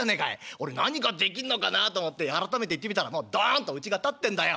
俺何が出来んのかなと思って改めて行ってみたらもうドンとうちが建ってんだよ。